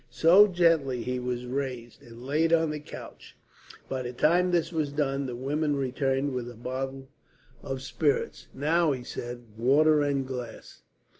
So, gently he was raised and laid on the couch. By the time this was done, the woman returned with a bottle of spirits. "Now," he said, "water and a glass."